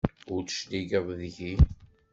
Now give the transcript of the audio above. Ur d-tecligeḍ deg-i.